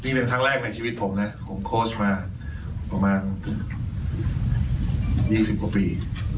นี่เป็นครั้งแรกในชีวิตผมนะของโค้ชมาประมาณ๒๐กว่าปี